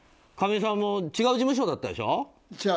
かみさんも違う事務所だったでしょ。